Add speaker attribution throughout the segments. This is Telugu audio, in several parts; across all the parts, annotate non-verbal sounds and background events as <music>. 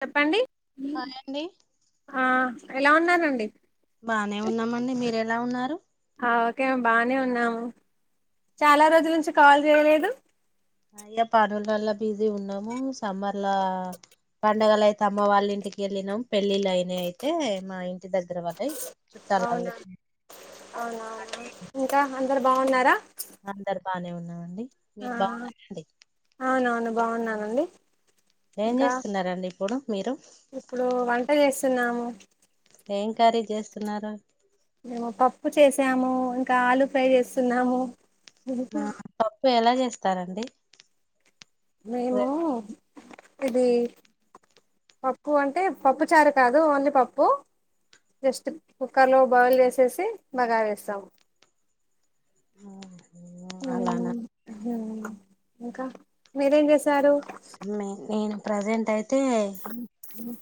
Speaker 1: చెప్పండి
Speaker 2: హాయ్ అండి
Speaker 1: ఆ ఎలా ఉన్నారండీ
Speaker 2: బానే ఉన్నామండి మీరు ఎలా ఉన్నారు
Speaker 1: ఆ ఓకే మేము బానే ఉన్నాము చాలా రోజుల నుంచి కాల్ చేయలేదు
Speaker 2: ఇగ పనుల వల్ల బీసీ ఉన్నాము సమ్మర్లా పండగల అయితే అమ్మ వాళ్ళ ఇంటికి వెళ్ళినాం పెళ్ళిళ్ళయినాయి అయితే మా ఇంటి దగ్గర వాళ
Speaker 1: అవునా అవునవునా ఇంకా అందరు బాగున్నారా
Speaker 2: అందరు బానే ఉన్నామండి
Speaker 1: ఆ
Speaker 2: మీరు బాగున్నారండి
Speaker 1: అవునవును బాగున్నానండి
Speaker 2: ఏం
Speaker 1: ఇంకా
Speaker 2: చేస్తున్నారండి ఇప్పుడు మీరు
Speaker 1: ఇప్పుడు వంట చేస్తున్నాము
Speaker 2: ఎం కరీ చేస్తున్నారు
Speaker 1: మేము పప్పు చేసాము ఇంకా ఆలుూ ఫ్రై చేస్తున్నాము
Speaker 2: ఆ పప్పు ఎలా చేస్తారండి
Speaker 1: మేము ఇది పప్పు అంటే పప్పు చారు కాదు ఓన్లీ పప్పు జస్ట్ కుక్కర్ లో బాయిల్ చేసేసి బగారా వేస్తాము
Speaker 2: ఓ
Speaker 1: హూ ఇంకా మీరేం చేస్త
Speaker 2: నేను ప్రజెంట్ అయితే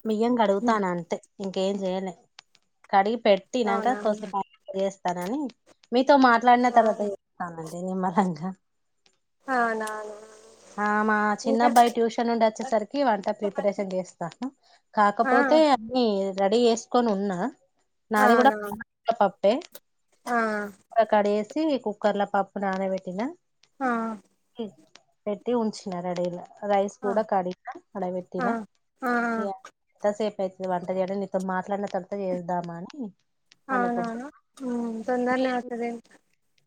Speaker 2: బియ్యం కడుగుతన్న అంతే ఇంకేం చెయ్యలే కడిగి పెట్టినాక
Speaker 1: అవునా
Speaker 2: కోసెం ఆగినాక చేస్తానని మీతో మాట్లాడిన తర్వాత చెస్తానండి నిమ్మలంగా
Speaker 1: అవునా
Speaker 2: ఆ మా
Speaker 1: ఇంకా
Speaker 2: చిన్నబ్బాయి ట్యూషన్ నుండి వచ్చేసరికి వంట ప్రిపరేషన్ చేస్తా
Speaker 1: ఆ
Speaker 2: కాకపోతే అన్ని రెడీ చేసుకొని ఉన్నా నాది కూడా
Speaker 1: అవునా
Speaker 2: పప్పే
Speaker 1: ఆ
Speaker 2: కడేసి కుక్కర్ లో పప్పు నానబెట్టినా
Speaker 1: ఆ
Speaker 2: పెట్టి ఉంచినా రెడీగా రైస్
Speaker 1: ఆ
Speaker 2: కూడా కాడిగిన
Speaker 1: ఆ
Speaker 2: అడవెట్టిన ఇగ
Speaker 1: ఆ
Speaker 2: ఎంతసేపు వంట గాని నీతో మాట్లాడిన తర్వాత చేద్దాము అని అనుకుంటున్న
Speaker 1: అవునువును తొందరనే
Speaker 2: మీరు
Speaker 1: అవుతది ఎంత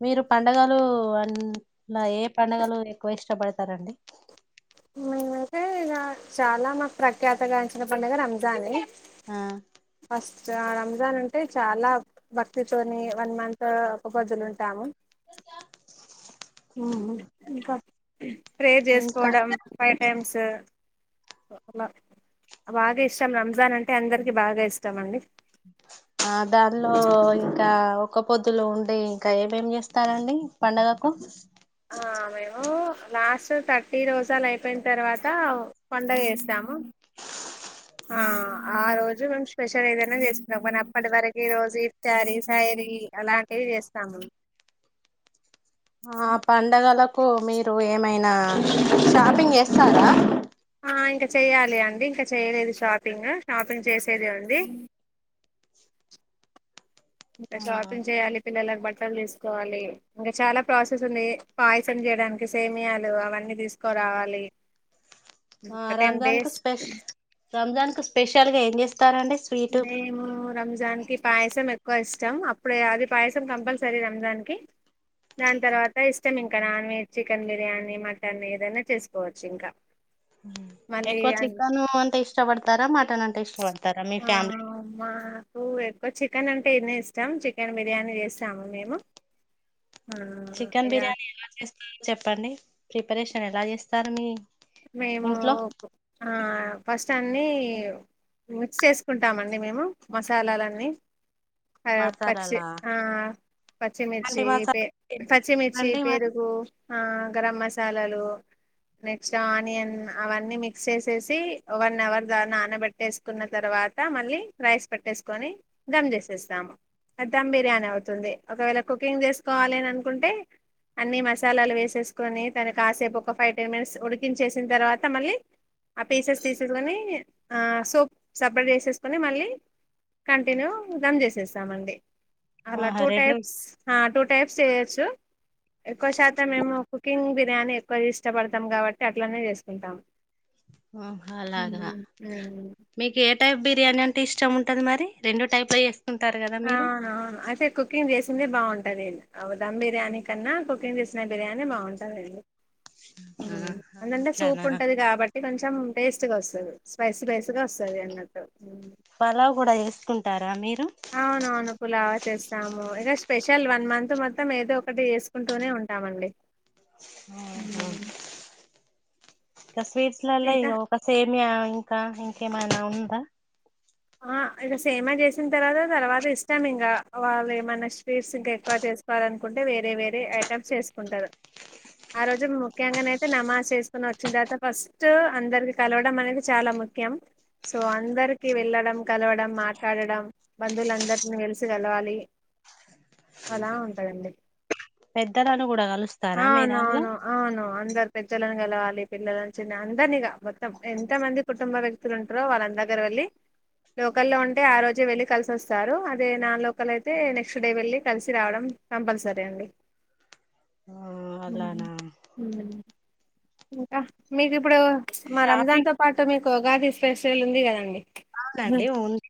Speaker 2: మీరు పండగలు అలా ఏ పడుగలు ఎక్కువ ఇష్టపడతారండి
Speaker 1: నేనంటే ఇగా చాలా మాకు ప్రఖ్యాత గాచిన పండుగ రంజానే
Speaker 2: ఆ
Speaker 1: రంజాన్ అంటే చాలా భక్తితోని వన్ మంత్ ఒక పోద్దులు ఉంటాము ప్రే
Speaker 2: ఇంకా
Speaker 1: చేసుకోవడం ఫైవ్ టైమ్స్ బాగా ఇష్టం రంజాన్ అంటే అందరికి బాగా ఇష్టం అండి
Speaker 2: ఆ దానిలో ఇంకా ఒక పొద్దులు ఉండి ఇంకా ఏమేమి చేస్తారండి పండగకు
Speaker 1: ఆ మేము లాస్ట్ థర్టీ రోజాలు అయిపోయిన తర్వాత పండగ చేస్తాము ఆ ఆ రోజు మేము స్పెషల్ ఏదనా చేసుకున్నాం కానీ అప్పటి వరకు ఈ రోజు ఇప్ థైరి శైరీ అలాంటివి ఏస్తాము
Speaker 2: ఆ పండగలకు మీరు ఏమైనా షాపింగ్ చేస్తారా?
Speaker 1: ఆ ఇంకా చేయాలి అండి ఇంకా చేయలేదు షాపింగ్ షాపింగ్ చేసేది ఉంది. ఇంకా షాపింగ్ చేయాలి పిల్లలక్ బట్ బట్టల్ తీస్కోవాలి ఇంకా చాలా ప్రాసెస్ ఉంది. పాయసం చేయడానికి సేమియాలు అవన్నీ తీస్కోర రావాలి.
Speaker 2: ఆ రంజాన్కు స్పెష్ రంజాన్కు స్పెషల్గా ఏం చేస్
Speaker 1: మేము రంజాన్కి పాయసం ఎ ఎక్కువ ఇష్టం. అప్పుడే అది పాయసం కంపల్సరీ రంజాన్కి దాన్ తర్వాత ఇష్టం ఇంకా non veg chicken biryani, mutton ఏదైనా చేస్కోవచ్చు ఇంకా మళ్ళీ
Speaker 2: ఎక్కువ చికను అంటే ఇష్టపడతారా మటన్ అంటే ఇష్టపడతారా మీ
Speaker 1: ఆ
Speaker 2: ఫ్యామిలీ
Speaker 1: మాకు ఎ ఎక్కొ చికెన్ అంటేనే ఇష్టం. చికెన్ బిర్యానీ చేస్తాము మేము ఆ
Speaker 2: చికెన్
Speaker 1: ఇక
Speaker 2: బిర్యానీ ఎలా చేస్తారో చెప్పండి. ప్రిపరేషన్ ఎలా చేస్తారు మీ
Speaker 1: మేము
Speaker 2: ఇంట్లో
Speaker 1: ఆ ఫస్ట్ అన్నీ మిక్స్ చేస్కుంటామండి మేము మసాలాలన్నీ ఆ పచ్చి
Speaker 2: మసాలాలా
Speaker 1: ఆ
Speaker 2: ఎలాంటి
Speaker 1: పచ్చిమిర్చి, పే
Speaker 2: మసాలా
Speaker 1: పచ్చిమిర్చి,
Speaker 2: అండి మరి
Speaker 1: పెరుగు ఆ గరం మసాలలు నె క్స్ట్ ఆనియన్ అవన్నీ మిక్స్ చేసేసి వన్ అవర్ దా నానబెట్టేస్కున్న తర్వాత మళ్ళీ రైస్ పెట్టేస్కొని దమ్ చేసేస్తాము. ధమ్ బిర్యానీ అవుతుంది. ఒకవేళ కుకింగ్ చేస్కోవాలి అన్ అనుకుంటే అన్నీ మసాలాలు వేసేస్కొని తన కాసేపు ఒక ఫైవ్ టెన్ మినిట్స్ ఉడికించేసిన్ తర్వాత మళ్ళీ ఆ పీసెస్ తీసుకొని ఆ సోప్ సపరేట్ చేసేస్కొని మళ్ళీ కంటిన్యూ ధామ్ చేసేస్తామండి. అలా
Speaker 2: ఆహా
Speaker 1: టూ
Speaker 2: రెండు
Speaker 1: టైప్స్ ఆ టూ టైప్స్ చేయొచ్చు. ఎక్కువ శాతం మేము కుకింగ్ బిర్యానీ ఎక్కువ ఇష్టపడతాం కాబ ట్టి అట్లనే చేస్కుంటాం.
Speaker 2: ఆ అలాగా మీకే టైప్ బిర్యానీ అంటే ఇష్టం ఉంటది మరి రెండు టైప్ల చేస్
Speaker 1: ఆహా అయితే కుకింగ్ చేసిందే బాగుంటంది. ధమ్ బిర్యానీ కన్నా కుకింగ్ చేస్ సిన బిర్యానే బాగుంటదండి.
Speaker 2: ఆహా
Speaker 1: ఎందంటే సూప్
Speaker 2: అట్లానా
Speaker 1: ఉంటది కాబట్టి కొంచం టేస్ట్ గొస్తది. స్పైసి స్పైసిగా వస్తది అన్నట్టు ఉమ్.
Speaker 2: పలావ్ గుడా చేస్కుంటారా మీరు
Speaker 1: అవునవును పులావా చేస్తాము. ఇగ స్పెషల్ వన్ మంత్ మొత్తం ఏదో ఒకటి చేస్కుంటూనే ఉంటామండి. <inaudible>
Speaker 2: గ స్వీట్స్లల్ల ఇగ
Speaker 1: ఇంకా
Speaker 2: ఒక సేమియా ఇంకా ఇంకేమైనా ఉందా
Speaker 1: ఆ ఇగ సేమియా చేసిన్ తర్వాత తర్వాత ఇష్టం ఇంకా వాళ్ళు ఏమన్న స్వీట్స్ ఇంకా ఎక్కువ చే చేస్కోవాలన్కుంటే వేరే వేరే ఐటమ్స్ చేస్కుంటారు. ఆ రోజు ముఖ్యంగా నయితే నమాజ్ చేసుకొని వచ్చిన తర్వాత ఫస్ట్ అందరికి కలవడం అనేది చాలా. ముఖ్యం సో అందర్కి వెళ్ళడం కలవడం, మాట్లాడడం, బంధువులందర్నీ కల్సి కలవాలి. అలా ఉంటదండి
Speaker 2: పెద్దలను కూడా కలుస్తారా మీ దానిలో
Speaker 1: అవునవును అవును అందర్ పెద్దలను కలవాలి. పిల్లలని చిన్న అందర్నీగా మొత్తం ఎంత మంది కుటుంబ వ్యక్తులుంటరో వాళ్ళన్ దగ్గర వెళ్ళి లోకల్లో ఉంటే ఆ రోజే వెళ్ళి కల్సి వస్తారు. అదే నాన్ లోకల్ అయితే నెక్స్ట్ డే వెళ్ళి కల్సి రావడం కంపల్సరీ అండి.
Speaker 2: ఆ అలానా
Speaker 1: ఇంకా మీకిప్పుడు మా
Speaker 2: షాపింగ్
Speaker 1: రంజాన్తో పాటు మీకు ఉగాది ఫెస్టివల్ ఉంది కదండి
Speaker 2: అవునండి ఉంది.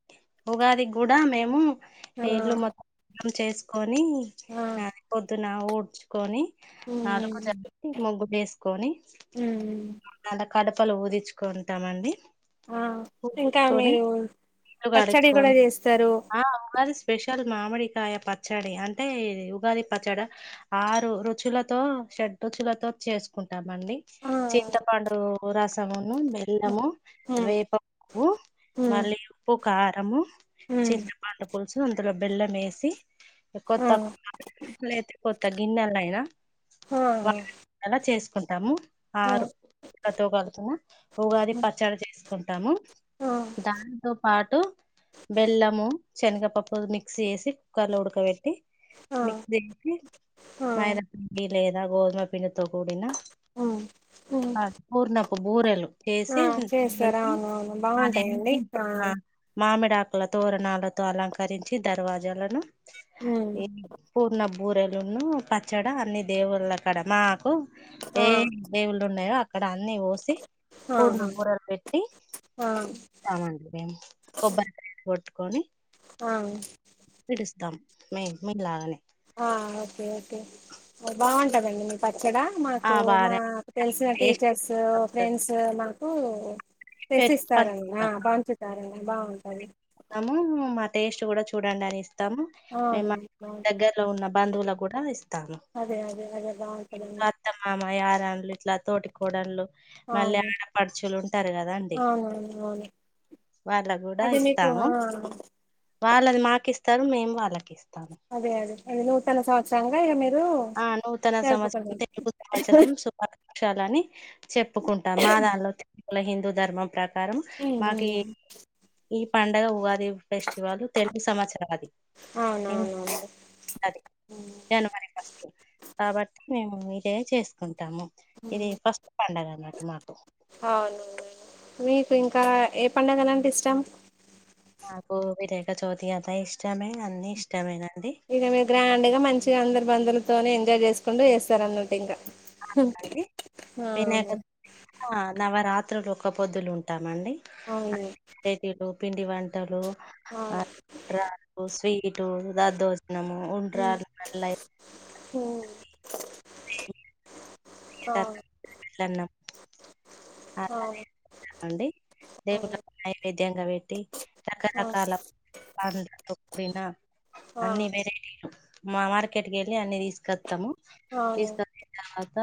Speaker 2: ఉగాది గుడా మేము
Speaker 1: ఆ
Speaker 2: ఇళ్లు మొత్తం చేస్కొ నీ
Speaker 1: ఆ
Speaker 2: నా పొద్దున ఊడ్చుకోని నాలుగు
Speaker 1: ఉమ్
Speaker 2: జత ముగ్గులు వేసుకొని.
Speaker 1: ఉమ్
Speaker 2: ఆడ కడపలు పూదిచుకుంటామండి.
Speaker 1: ఆ ఇంకా మీరు.
Speaker 2: ఇల్లు
Speaker 1: పచ్చడి కూడా
Speaker 2: కడుక్కొని,
Speaker 1: చేస్తారు
Speaker 2: ఆ ఉగాది స్పెషల్. కల్ మామిడికాయ పచ్చడి అంటే ఉగాది పచ్చడి, ఆరు రుచులతో. రుచులతో చేసుకుంటాం అండి
Speaker 1: ఆ
Speaker 2: చింతపండు రసం. బెల్లము,
Speaker 1: ఉమ్
Speaker 2: వేపపువ్వు,
Speaker 1: ఉమ్
Speaker 2: మల్లీ ఉప్పు, కారము.
Speaker 1: ఉమ్
Speaker 2: చింతపండు పులుసు అందులో బెల్లం వేసి.
Speaker 1: ఆ
Speaker 2: కొత్త కుండ లేదా కొత్త గిన్నెలైనా,
Speaker 1: ఆ
Speaker 2: అని విధాల చేసుకుంటాము
Speaker 1: ఆ ఆ
Speaker 2: ఆరు. నాతో కలుస్తవ ఉగాది పచ్చడి చేసుకున్ కుంటాము,
Speaker 1: ఆ
Speaker 2: దాంతో పాటు బెల్లము. శనగపప్పు మిక్సీ చేేసి, కుక్కర్ లో ఉడకబెట్టి, మిక్స్
Speaker 1: ఆ
Speaker 2: చేసి
Speaker 1: ఆ
Speaker 2: మైద పిండి లేదా గోధుమ పిండి తో కూడినా
Speaker 1: ఉమ్ ఉమ్
Speaker 2: పూర్ణపు బూరెలు.
Speaker 1: ఆ
Speaker 2: చేసి
Speaker 1: చేస్తారు
Speaker 2: దానికీ
Speaker 1: అవునవును బాగుంటాయండి
Speaker 2: అదేంటి- ఆ మామిడాకుల తోరణాలతో, అలంకరించి దర్వాజలో ఏమి పూర్ణం. బూరెలున్ను పచ్చడా అన్ని దేవుళ్ళ కాడ మాకు
Speaker 1: ఆ
Speaker 2: ఏ
Speaker 1: ఆ
Speaker 2: దేవుళ్ళు ఉన్నాయో అ అక్కడ అన్ని పోసి పూర్ణ
Speaker 1: ఆహా!
Speaker 2: భూరేలు పెట్టి
Speaker 1: ఆ
Speaker 2: ఇస్తామండి. కొబ్బరికాయను కొట్టుకొని
Speaker 1: ఆ
Speaker 2: పిలుస్తాం. మీ మీలాగానే.
Speaker 1: ఒకే ఒకే బాగుంటదండి మీ ప- పచ్చడ
Speaker 2: ఆ
Speaker 1: మాకు మా
Speaker 2: బానే
Speaker 1: తెలిసిన
Speaker 2: టేస్ట్
Speaker 1: టీచర్స్, ఫ్రెండ్స్, మాకు - చేసిస్తార అన్నా పంచుతారన్నా అ బాగుంటాది.
Speaker 2: ఇస్తాము మా టేస్ట్ కూడా చూడండి అని ఇస్తాము మే
Speaker 1: అవును
Speaker 2: మా
Speaker 1: బాగుంటది
Speaker 2: దగ్గరలో ఉన్న, బంధువులకు కూడా ఇస్తాము.
Speaker 1: అదే అదే అదే
Speaker 2: మా
Speaker 1: బాగుంటదండి
Speaker 2: అత్త- మామయ్య. ఇట్లా తోటి కోడళ్లు మళ్ళీ
Speaker 1: అవును
Speaker 2: ఆడపడుచులు ఉంటారు కదండి.
Speaker 1: అవునవును అవును
Speaker 2: వాళ్ళక్ కూడా
Speaker 1: అది
Speaker 2: ఇస్త
Speaker 1: మీకు ఆ
Speaker 2: వాళ్ళది మాకి ఇస్తారు మేము వాళ్ళకి ఇస్తము.
Speaker 1: అదే అదే అదే నూతన సంవత్సరంగా ఇగ మీరు,
Speaker 2: ఆ నూతన సంవత్సరం
Speaker 1: జరుపుకుంటారు
Speaker 2: తెలుగు సంవత్సరం శుభాకాంక్షలు. లని చెప్పుకుంటాం, మా దానిలో హిందూ ధర్మం ప్రక ప్రకారం మాకు ఈ పండుగ ఉగాది ఫెస్టివల్ తెలుగు సంవత్సరం అది.
Speaker 1: అవునవునవును
Speaker 2: అది
Speaker 1: హ్మ్.
Speaker 2: జనవరి ఫస్ట్ కాబట్టి మేము- ఏ చేసుకుంటాము ఇది ఫస్ట్ పండగ అన్నటు మాకు
Speaker 1: హా అవును. మీకు ఇంకా ఏ పండగలంటే ఇష్టం.
Speaker 2: నాకు వినాయక చవితి అన్న ఇష్టమే అన్ని ఇష్టమే గాని.
Speaker 1: ఇగ మీరు గ్రాండ్ గా మంచిగ అందరు బంధువులతోనే ఎంజాయ్ చేసుకుంటూ చేస్తారు అన్నట్టు ఇకా.
Speaker 2: అండి, వినాయక ఆ నవరాత్రులు ఒక్క పొద్దులు ఉంటామండి.
Speaker 1: హ్మ్
Speaker 2: వెరైటీలు పిండి వంటలు, రాగి స్వీటు, దద్దోజనం. నము, ఉండ్రాలు, పెళ్ళై
Speaker 1: హ్మ్
Speaker 2: ఎండాకాలం సల్లన్నం. అ అదే
Speaker 1: అవును
Speaker 2: అండి దేవుళ్ళ కు నైవేద్యంగా పెట్టి, రకరకాల. రాగుల్తో కూడిన అన్ని వెరైటీలు. మా మార్కెట్ కెళ్ళి అన్ని తీసుకత్తము
Speaker 1: అవును
Speaker 2: తీసుకొచ్చిన తర్వాత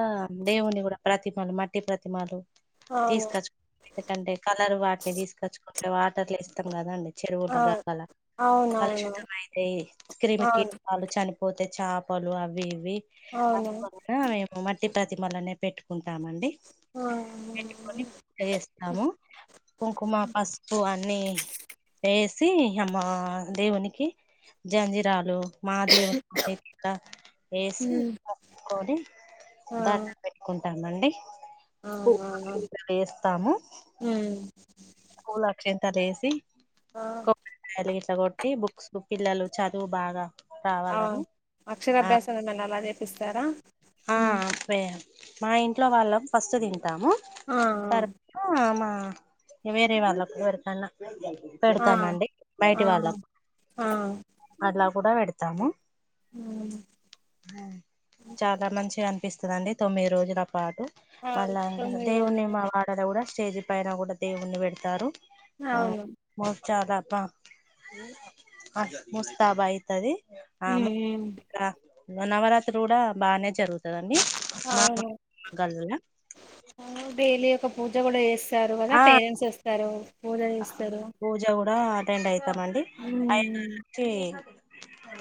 Speaker 2: దేవుని కూడా ప్రతి మళ్ళీ మట్టి ప్రతిమలు
Speaker 1: అవును ఆ అవును అవును అవును
Speaker 2: తీసుకొచ్చుకుంటం ఎందుకంటే కలరు వాటిని తీసుకచ్చుకో ఇగ వాటర్ల ఏస్తాం కదండి చెరువుల గంగల
Speaker 1: అవునవును
Speaker 2: కలుషితం అయితయ్ క్రిమి కీటకాలు చనిపోతయ్ చాపలు అవి ఇవి
Speaker 1: అవును
Speaker 2: అట్ల
Speaker 1: అవును
Speaker 2: కూడ మేము మట్టి ప్రతిమలనే పెట్టుకుంటామండి
Speaker 1: ఆ
Speaker 2: పెట్టుకొని పూజ చేస్తాము కుంకుమ పసుపు అని అన్నీ ఏసి అమ్మ దేవునికి జంజిరాలు మా దేవుని అన్నీ గూడా ఏసి
Speaker 1: ఉమ్
Speaker 2: మొక్కుకొని దండం పెట్టుకుంటామండి
Speaker 1: అవునవునా
Speaker 2: పూలక్షింతలు
Speaker 1: ఊమ్
Speaker 2: పూల్ అక్షింతలు ఏసి
Speaker 1: ఆ
Speaker 2: ఇట్ల గొట్టి బుక్స్కు పిల్లలు చదువు బాగా
Speaker 1: ఆ
Speaker 2: రావాలని ఆ
Speaker 1: అక్షరాభ్యాసం అని అలా జేపిస్తారా
Speaker 2: ఆ పే మా ఇంట్లో వాళ్ళం ఫస్ట్ తింటాము
Speaker 1: ఆ
Speaker 2: తర్వాత మా ఆ ఇగ వేరే వాళ్ళకు పెడతన్నా
Speaker 1: ఆ
Speaker 2: పెడతామండి బయటి
Speaker 1: ఆ
Speaker 2: వాళ్ళకు
Speaker 1: ఆ ఆ
Speaker 2: అలవ్ గూడా పెడతాము
Speaker 1: అవును
Speaker 2: ఊ చాలా మంచిగా అనిపిస్తదండి తొమ్మిది రోజుల పాటు మళ్ళా దేవుని మా వాడలో గూడా స్టేజీ పైన గూడా దేవుణి పెడతారు ఆ
Speaker 1: అవును
Speaker 2: మో చాలా బా అ ముస్తాబ్ అయితది ఆ
Speaker 1: ఊ ఊ
Speaker 2: నవరాత్రి గూడా బానే జరుగుతదండి అండి
Speaker 1: అవును
Speaker 2: మామక్ మా గల్ల
Speaker 1: డైలీ ఒక పూజ గూడా జేస్తారు గదా పేరెంట్స్ వస్తారు పూజ జేస్తారు
Speaker 2: ఆ అటెండ్ అయితామండి అయ్యగారు ఒచ్చి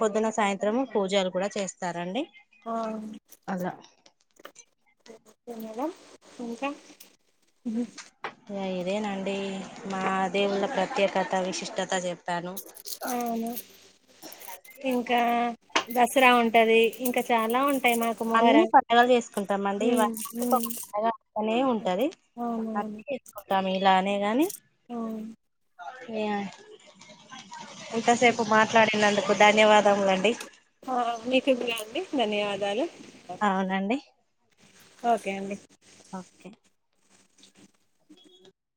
Speaker 2: పొద్దున సాయంత్రం పూజలు గూడా చేస్తారండి
Speaker 1: ఆ
Speaker 2: అలా
Speaker 1: ఓకే మేడం ఇంకా ఉ
Speaker 2: అదేనండి మా దేవుళ్ళ ప్రత్యేకత విశిష్టత చెప్
Speaker 1: అవును ఇంకా దసరా ఉంటది ఇంకా చాలా ఉంటాయి మాకు
Speaker 2: అన్ని
Speaker 1: మొహరం
Speaker 2: పండగలు
Speaker 1: ఊ ఊ
Speaker 2: అ అనే ఉంటది అ చేసుకుంటాము ఇలానే గాని
Speaker 1: అవును
Speaker 2: మేమ ఇంతసేపు మాట్లాడినందుకు ధన్యవాదములండి
Speaker 1: ఆ మీకు కూడా అండి ధన్యవాదాలు
Speaker 2: అవునండి
Speaker 1: ఓకే అండి
Speaker 2: ఓకే